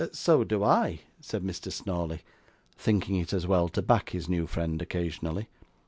'So do I,' said Mr. Snawley, thinking it as well to back his new friend occasionally.